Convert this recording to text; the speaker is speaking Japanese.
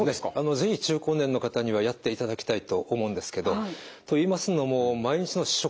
是非中高年の方にはやっていただきたいと思うんですけどといいますのも毎日の食事会話